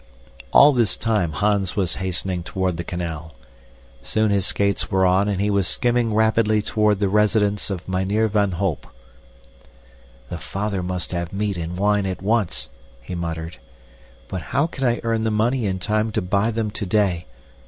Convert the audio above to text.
All this time Hans was hastening toward the canal. Soon his skates were on, and he was skimming rapidly toward the residence of Mynheer van Holp. "The father must have meat and wine at once," he muttered, "but how can I earn the money in time to buy them today?